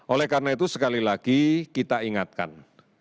oleh karena itu sekali lagi kita ingatkan